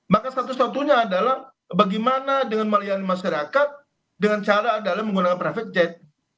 maka satu satunya adalah bagaimana dengan melayani masyarakat dengan cara adalah menggunakan traffic jet